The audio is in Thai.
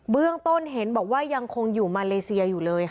ต้นเห็นบอกว่ายังคงอยู่มาเลเซียอยู่เลยค่ะ